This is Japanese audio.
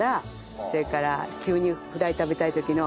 それから急にフライ食べたい時の添えもの。